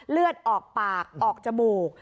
เลือดออกปากออกจมูก